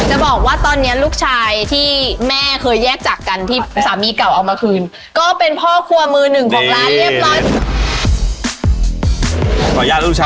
จะบอกว่าตอนนี้ลูกชายที่แม่เคยแยกจากกันที่สามีเก่าเอามาคืนก็เป็นพ่อครัวมือหนึ่งของร้านเรียบร้อย